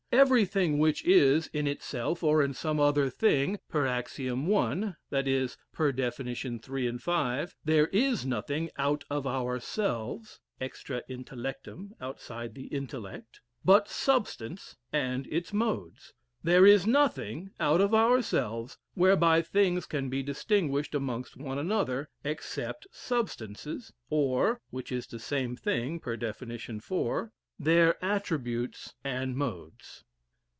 Everything which is, in itself, or in some other thing (per ax. one) that is (per def. three and five,) there is nothing out of ourselves (extra intellectum, outside the intellect) but substance and its modes. There is nothing out of ourselves whereby things can be distinguished amongst one another, except substances, or (which is the same thing, per def. lour) their attributes and modes.